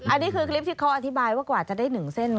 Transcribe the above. อันนี้คือคลิปที่เขาอธิบายว่ากว่าจะได้๑เส้น